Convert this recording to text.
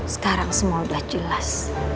sekarang semua udah jelas